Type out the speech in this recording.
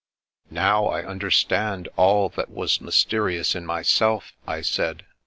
'' Now I understand all that was mysterious in myself," I said.